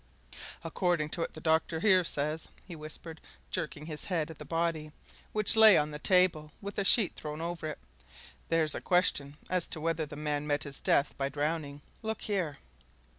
"According to what the doctor here says," he whispered, jerking his head at the body, which lay on a table with a sheet thrown over it, "there's a question as to whether the man met his death by drowning. Look here!"